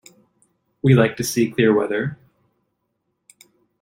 We like to see clear weather.